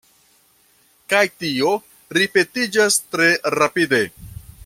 Kaj tio ripetiĝas tre rapide.